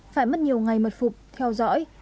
phải mất nhiều ngày mật phục theo dõi